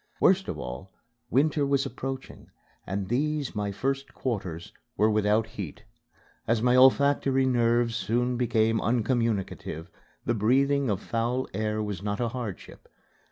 Worst of all, winter was approaching and these, my first quarters, were without heat. As my olfactory nerves soon became uncommunicative, the breathing of foul air was not a hardship.